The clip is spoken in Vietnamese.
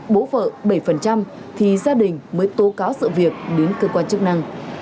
bố vợ bảy thì gia đình mới tố cáo sự việc đến cơ quan chức năng